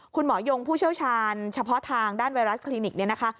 ยงผู้เชี่ยวชาญเฉพาะทางด้านไวรัสคลินิกเนี่ยนะคะ